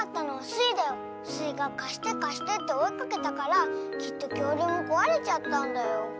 スイが「かしてかして」っておいかけたからきっときょうりゅうもこわれちゃったんだよ。